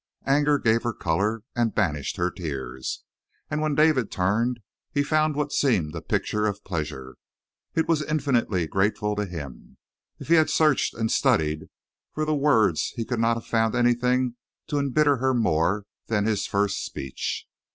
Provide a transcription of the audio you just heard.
Anger gave her color and banished her tears. And when David turned he found what seemed a picture of pleasure. It was infinitely grateful to him. If he had searched and studied for the words he could not have found anything to embitter her more than his first speech.